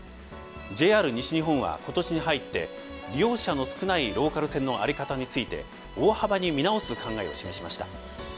ＪＲ西日本は今年に入って利用者の少ないローカル線の在り方について大幅に見直す考えを示しました。